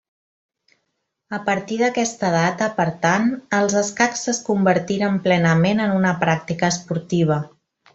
A partir d'aquesta data, per tant, els escacs es convertiren plenament en una pràctica esportiva.